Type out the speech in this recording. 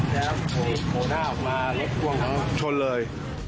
แล้วโหหน้าออกมารถกว้างชนเลย